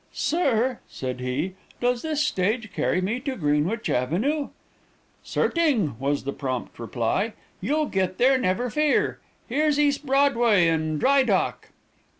"'Sir,' said he, 'does this stage carry me to Greenwich Avenue?' "'Certing,' was the prompt reply, 'you'll get there, never fear. Here's Eas' Broadway un' Dry Dock.'